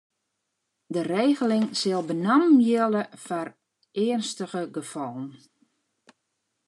De regeling sil benammen jilde foar earnstige gefallen.